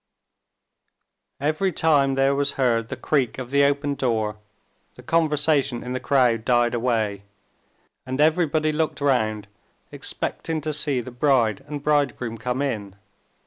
Every time there was heard the creak of the opened door the conversation in the crowd died away, and everybody looked round expecting to see the bride and bridegroom come in.